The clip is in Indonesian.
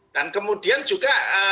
dan kemudian juga